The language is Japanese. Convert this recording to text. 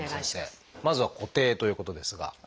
まずは「固定」ということですが。